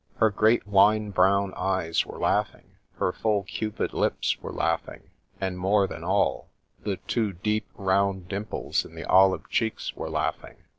Her great wine brown eyes were laughing, her full, cupid lips were laughing, and more than all, the two deep, round dimples in the olive cheeks were laughing.